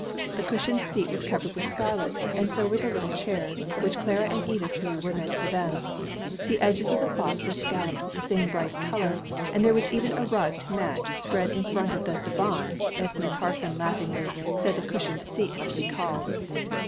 The cushioned seat was covered with scarlet, and so were the little chairs, which Clara and Edith knew were meant for them; the edges of the cloth were scalloped with the same bright color, and there was even a rug to match spread in front of the "divan," as Miss Harson laughingly said the cushioned seat must be called.